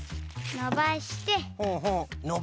のばして？